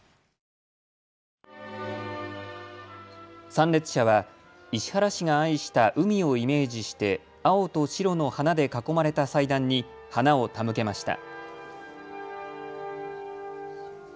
参列者は石原氏が愛した海をイメージして青と白の花で囲まれた祭壇に花を手向けました。